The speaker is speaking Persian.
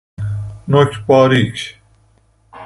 نوک باریک